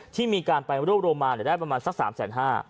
ที่มีการไปรวบรวมมาได้ประมาณสัก๓๕๐๐บาท